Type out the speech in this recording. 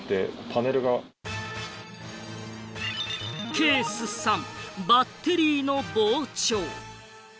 ケース３、バッテリーの膨張。